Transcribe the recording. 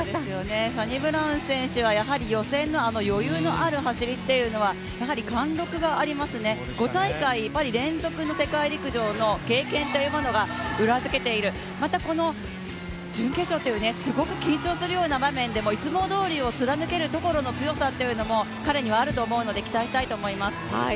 サニブラウン選手はやはり予選のあの余裕のある走りっていうのは貫禄がありますね、５大会連続の世界陸上の経験というものが裏づけている、また準決勝というすごく緊張するような場面でもいつもどおりを貫けるところの強さというのも彼にはあると思うので期待したいと思います。